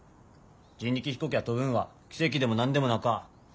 人力飛行機が飛ぶんは奇跡でも何でもなか。